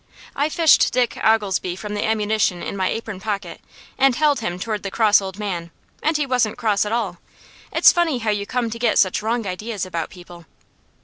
I fished Dick Oglesby from the ammunition in my apron pocket, and held him toward the cross old man, and he wasn't cross at all. It's funny how you come to get such wrong ideas about people.